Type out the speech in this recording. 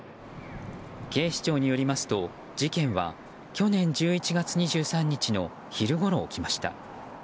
警視庁によりますと事件は去年１１月２３日の昼ごろ、起きました。